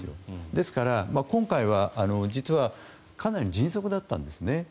ですから実はかなり迅速だったんですね。